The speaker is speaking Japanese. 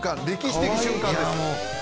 歴史的瞬間です